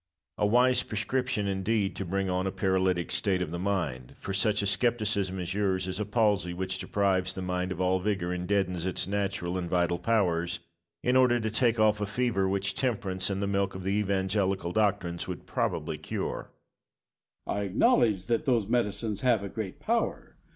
Locke. A wise prescription, indeed, to bring on a paralytical state of the mind (for such a scepticism as yours is a palsy which deprives the mind of all vigour, and deadens its natural and vital powers) in order to take off a fever which temperance and the milk of the Evangelical doctrines would probably cure. Bayle. I acknowledge that those medicines have a great power.